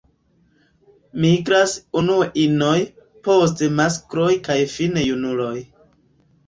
Migras unue inoj, poste maskloj kaj fine junuloj.